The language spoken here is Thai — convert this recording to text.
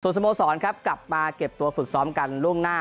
สโมสรครับกลับมาเก็บตัวฝึกซ้อมกันล่วงหน้า